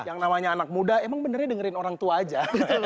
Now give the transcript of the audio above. yang namanya anak muda emang benernya dengerin orang tua aja